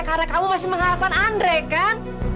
karena kamu masih mengharapkan andre kan